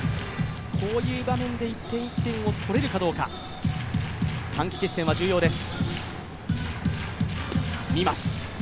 こういう場面で１点１点を取れるかどうか、短期決戦は重要です。